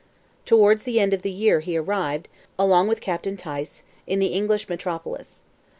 Towards the end of the year he arrived, along with Captain Tice, in the English metropolis.